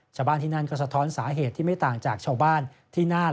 ชาวบ้านที่นั่นก็สะท้อนสาเหตุที่ไม่ต่างจากชาวบ้านที่น่าน